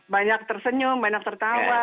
banyak tersenyum banyak tertawa